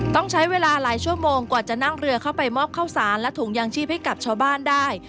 ต้องใช้เวลาหลายชั่วโมงกว่าจะนั่งเรือเข้าไปมอบข้าวสารและถุงยางชีพให้กับชาวบ้านได้